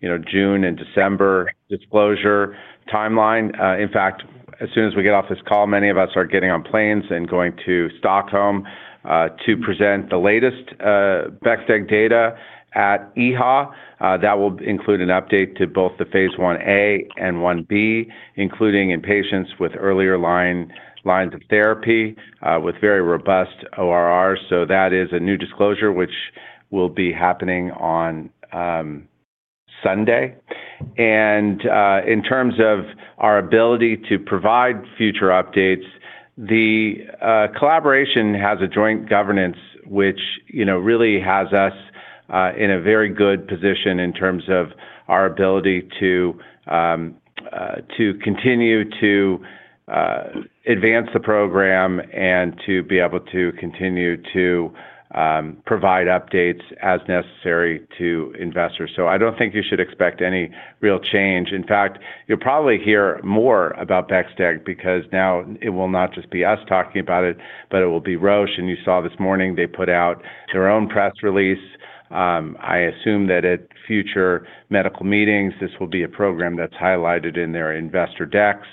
June and December disclosure timeline. In fact, as soon as we get off this call, many of us are getting on planes and going to Stockholm to present the latest Bexdeg data at EHA. That will include an update to both the phase I-A and phase I-B, including in patients with earlier lines of therapy with very robust ORR. That is a new disclosure, which will be happening on Sunday. In terms of our ability to provide future updates, the collaboration has a joint governance, which really has us in a very good position in terms of our ability to continue to advance the program and to be able to continue to provide updates as necessary to investors. I don't think you should expect any real change. In fact, you'll probably hear more about Bexdeg because now it will not just be us talking about it, but it will be Roche, and you saw this morning they put out their own press release. I assume that at future medical meetings, this will be a program that's highlighted in their investor decks.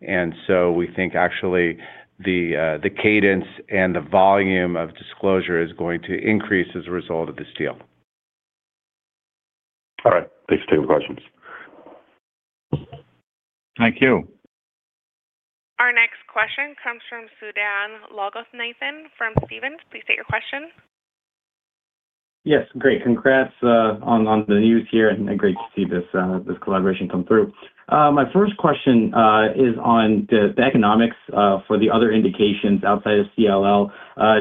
We think actually the cadence and the volume of disclosure is going to increase as a result of this deal. All right. Thanks for taking the questions. Thank you. Our next question comes from Sudan Loganathan from Stephens. Please state your question. Yes. Great. Congrats on the news here and great to see this collaboration come through. My first question is on the economics for the other indications outside of CLL.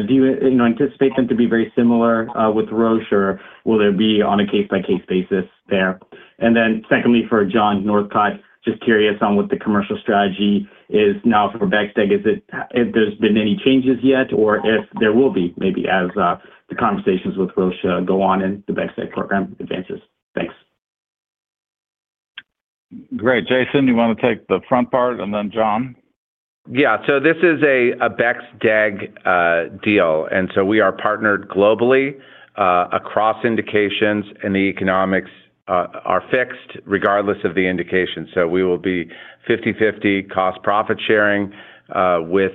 Do you anticipate them to be very similar with Roche, or will it be on a case-by-case basis there? Secondly, for John Northcott, just curious on what the commercial strategy is now for Bexdeg. If there's been any changes yet, or if there will be maybe as the conversations with Roche go on and the Bexdeg program advances. Thanks. Great. Jason, do you want to take the front part, then John? Yeah. This is a Bexdeg deal, we are partnered globally across indications, the economics are fixed regardless of the indication. We will be 50/50 cost profit sharing with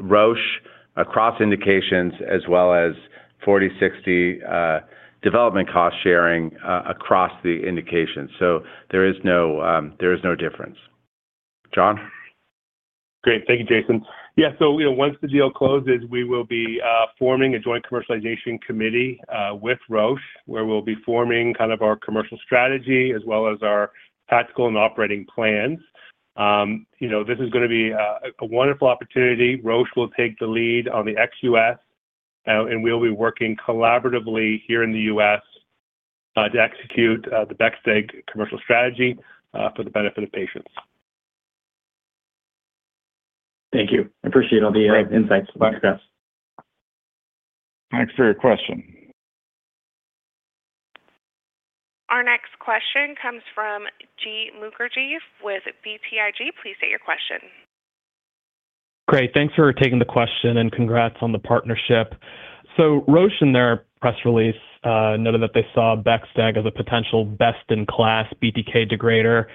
Roche across indications as well as 40/60 development cost sharing across the indications. There is no difference. John? Great. Thank you, Jason. Yeah. Once the deal closes, we will be forming a joint commercialization committee with Roche, where we'll be forming our commercial strategy as well as our tactical and operating plans. This is going to be a wonderful opportunity. Roche will take the lead on the ex-U.S., and we'll be working collaboratively here in the U.S. to execute the Bexdeg commercial strategy for the benefit of patients. Thank you. I appreciate all the insights. Thanks for your question. Our next question comes from Jeet Mukherjee with BTIG. Please state your question. Great. Thanks for taking the question, and congrats on the partnership. Roche, in their press release, noted that they saw Bexdeg as a potential best-in-class BTK degrader.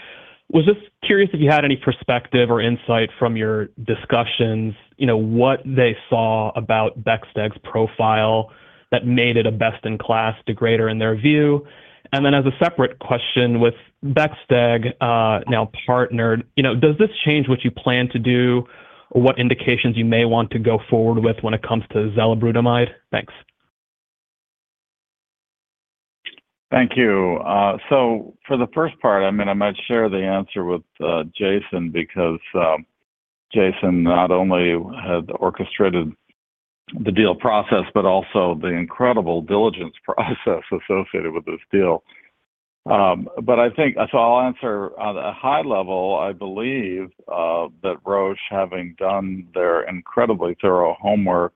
Was just curious if you had any perspective or insight from your discussions, what they saw about Bexdeg's profile that made it a best-in-class degrader in their view. As a separate question, with Bexdeg now partnered, does this change what you plan to do or what indications you may want to go forward with when it comes to zelebrudomide? Thanks. Thank you. For the first part, I might share the answer with Jason because Jason not only had orchestrated the deal process, but also the incredible diligence process associated with this deal. I'll answer at a high level, I believe that Roche, having done their incredibly thorough homework,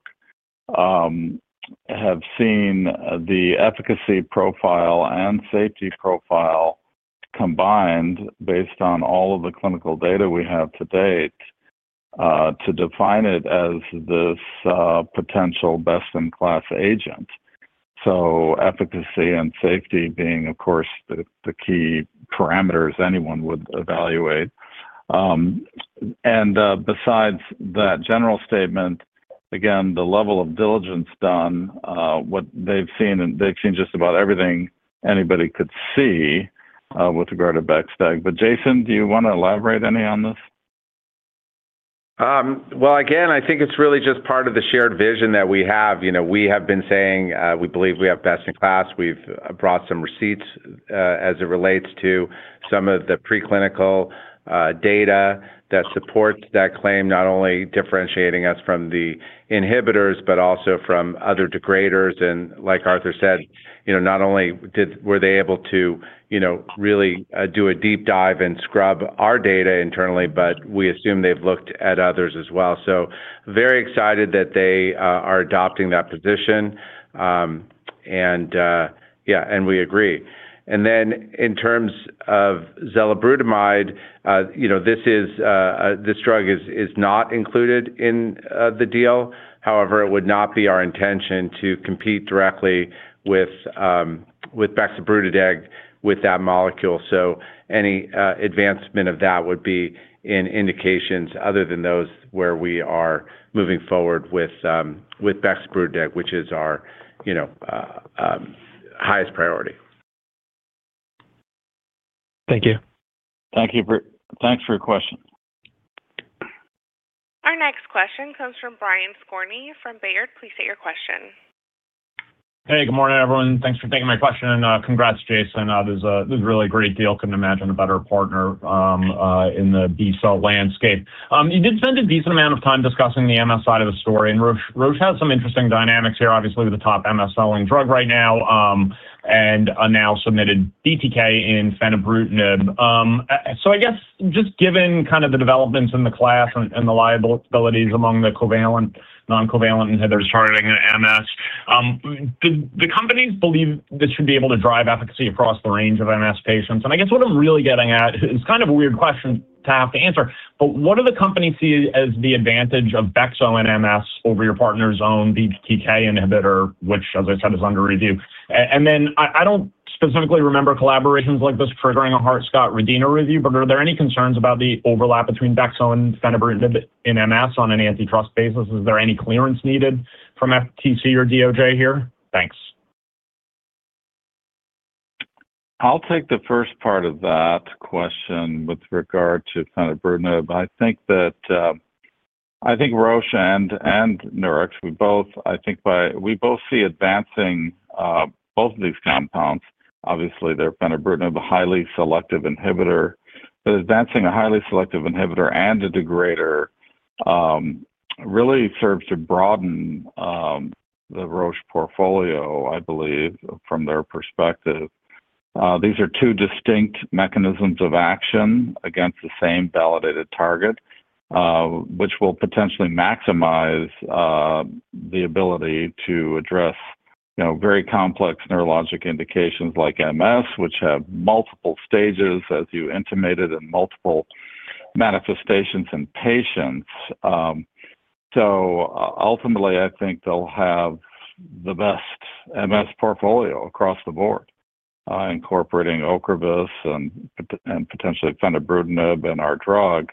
have seen the efficacy profile and safety profile combined based on all of the clinical data we have to date to define it as this potential best-in-class agent. Efficacy and safety being, of course, the key parameters anyone would evaluate. Besides, that general statement, again, the level of diligence done, what they've seen, and they've seen just about everything anybody could see with regard to Bexdeg. Jason, do you want to elaborate any on this? Again, I think it's really just part of the shared vision that we have. We have been saying we believe we have best-in-class. We've brought some receipts as it relates to some of the preclinical data that supports that claim, not only differentiating us from the inhibitors, but also from other degraders. Like Arthur said, not only were they able to really do a deep dive and scrub our data internally, but we assume they've looked at others as well. Very excited that they are adopting that position, and we agree. In terms of zelebrudomide, this drug is not included in the deal. However, it would not be our intention to compete directly with bexobrutideg with that molecule. Any advancement of that would be in indications other than those where we are moving forward with bexobrutideg, which is our highest priority. Thank you. Thanks for your question. Our next question comes from Brian Skorney from Baird. Please state your question. Hey, good morning, everyone. Thanks for taking my question, and congrats, Jason Kantor. This is a really great deal. Couldn't imagine a better partner in the BTK landscape. You did spend a decent amount of time discussing the MS side of the story, Roche has some interesting dynamics here, obviously with the top MS selling drug right now, and now submitted BTK in fenebrutinib. I guess, just given the developments in the class and the liabilities among the covalent, non-covalent inhibitors targeting MS, do the companies believe this should be able to drive efficacy across the range of MS patients? I guess what I'm really getting at, it's kind of a weird question to have to answer, but what do the companies see as the advantage of bexo in MS over your partner's own BTK inhibitor, which, as I said, is under review? Then I don't specifically remember collaborations like this triggering a Hart-Scott-Rodino review, but are there any concerns about the overlap between bexo and fenebrutinib in MS on an antitrust basis? Is there any clearance needed from FTC or DOJ here? Thanks. I'll take the first part of that question with regard to fenebrutinib. I think Roche and Nurix, we both see advancing both of these compounds. Obviously, their fenebrutinib, a highly selective inhibitor, but advancing a highly selective inhibitor and a degrader really serves to broaden the Roche portfolio, I believe, from their perspective. These are two distinct mechanisms of action against the same validated target, which will potentially maximize the ability to address very complex neurologic indications like MS, which have multiple stages, as you intimated, and multiple manifestations in patients. Ultimately, I think they'll have the best MS portfolio across the board, incorporating Ocrevus and potentially fenebrutinib and our drug.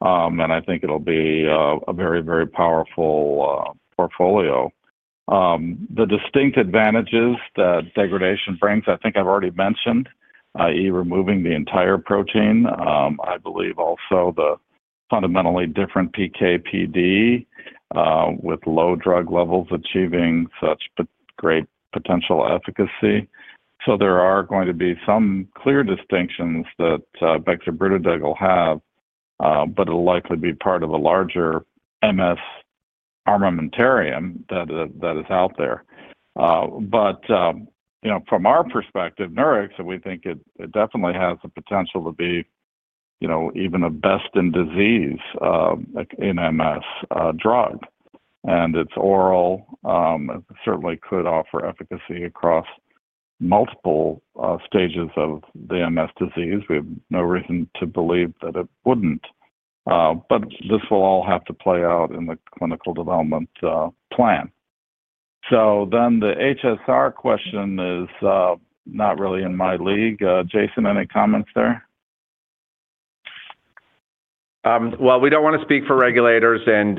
I think it'll be a very powerful portfolio. The distinct advantages that degradation brings, I think I've already mentioned, i.e., removing the entire protein. I believe also the fundamentally different PK/PD, with low drug levels achieving such great potential efficacy. There are going to be some clear distinctions that bexobrutideg will have, but it'll likely be part of a larger MS armamentarium that is out there. From our perspective, Nurix, we think it definitely has the potential to be even a best-in-disease in MS drug. It's oral, certainly could offer efficacy across multiple stages of the MS disease. We have no reason to believe that it wouldn't. This will all have to play out in the clinical development plan. The Hart-Scott-Rodino question is not really in my league. Jason, any comments there? Well, we don't want to speak for regulators and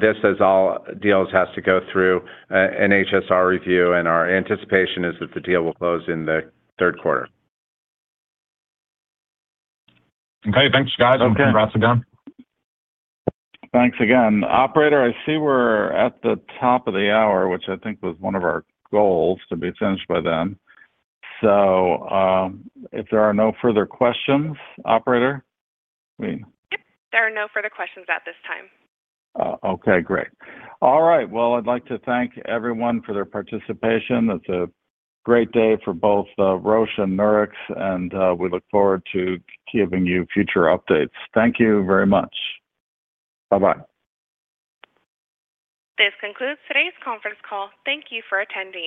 this, as all deals, has to go through a Hart-Scott-Rodino review, our anticipation is that the deal will close in the third quarter. Okay, thanks, guys. Okay. Congrats again. Thanks again. Operator, I see we're at the top of the hour, which I think was one of our goals to be finished by then. If there are no further questions, operator? Yep. There are no further questions at this time. Okay, great. All right. Well, I'd like to thank everyone for their participation. It's a great day for both Roche and Nurix, and we look forward to giving you future updates. Thank you very much. Bye-bye. This concludes today's conference call. Thank you for attending.